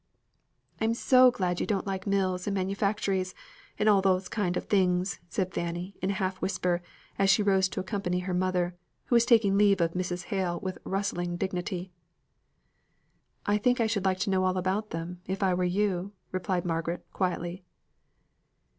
"I am so glad you don't like mills and manufactories, and all those kind of things," said Fanny, in a half whisper, as she rose to accompany her mother, who was taking leave of Mrs. Hale with rustling dignity. "I think I should like to know all about them, if I were you," replied Margaret quietly.